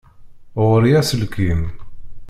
Ɣur-i aselkim.